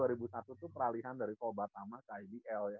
itu dua ribu satu tuh peralihan dari cobatama ke idl ya